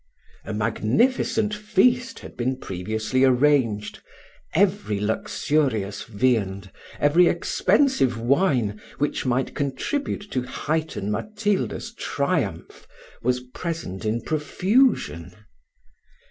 A magnificent feast had been previously arranged; every luxurious viand, every expensive wine, which might contribute to heighten Matilda's triumph, was present in profusion.